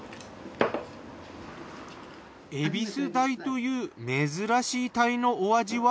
エビス鯛という珍しい鯛のお味は？